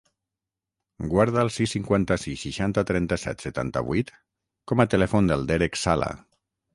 Guarda el sis, cinquanta-sis, seixanta, trenta-set, setanta-vuit com a telèfon del Derek Sala.